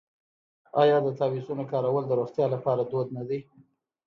آیا د تعویذونو کارول د روغتیا لپاره دود نه دی؟